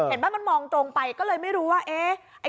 เห็นไหมมันมองตรงไปก็เลยไม่รู้ว่า